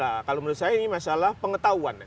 nah kalau menurut saya ini masalah pengetahuan ya